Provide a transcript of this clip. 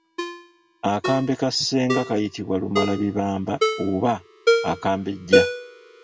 Akambe ka ssenga kayitibwa Lumalabibamba oba Akambejja.